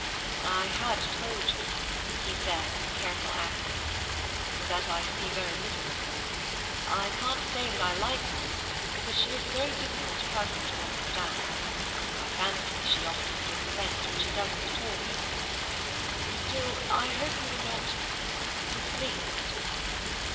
"I had told you," he said, with careful accent, "that I see very little of her. I can't say that I like her, but she is a very difficult person to understand, and I fancy she often gives offence when she doesn't at all mean it. Still, I hope you were not—displeased?"